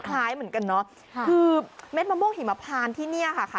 คล้ายเหมือนกันเนอะคือเม็ดมะม่วงหิมพานที่เนี่ยค่ะ